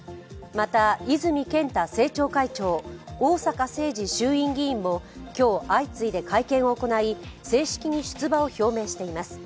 また、泉健太政調会長逢坂誠二衆院議員も今日相次いで会見を行い、正式に出馬を表明しています。